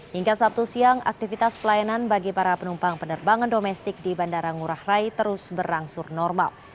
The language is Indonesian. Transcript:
hingga sabtu siang aktivitas pelayanan bagi para penumpang penerbangan domestik di bandara ngurah rai terus berangsur normal